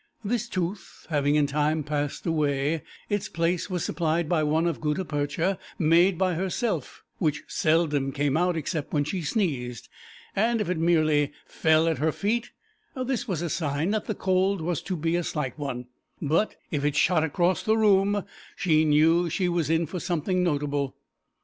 This tooth, having in time passed away, its place was supplied by one of gutta percha, made by herself, which seldom came out except when she sneezed, and if it merely fell at her feet this was a sign that the cold was to be a slight one, but if it shot across the room she knew she was in for something notable.